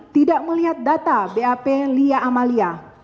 tidak melihat data bap lia amalia